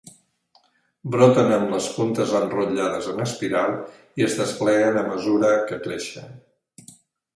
Broten amb les puntes enrotllades en espiral i es despleguen a mesura que creixen.